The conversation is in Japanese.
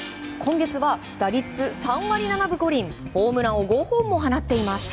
今月は打率３割７分５厘ホームランを５本も放っています。